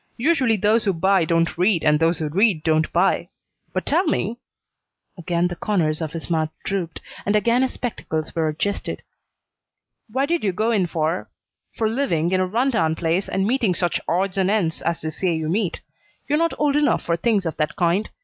Usually those who buy don't read, and those who read don't buy. But tell me " Again the corners of his mouth drooped, and again his spectacles were adjusted. "Why did you go in for for living in a run down place and meeting such odds and ends as they say you meet? You're not old enough for things of that kind.